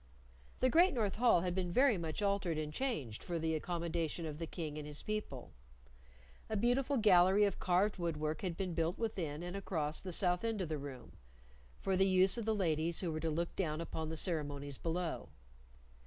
The great North Hall had been very much altered and changed for the accommodation of the King and his people; a beautiful gallery of carved wood work had been built within and across the south end of the room for the use of the ladies who were to look down upon the ceremonies below.